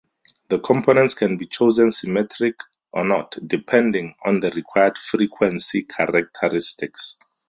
The components can be chosen symmetric or not, depending on the required frequency characteristics.